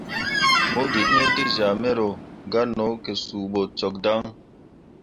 Mo gǝ tǝ̃ǝ̃ tezyah mero, gah no ke suu bo cok dan.